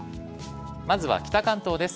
まずは北関東です。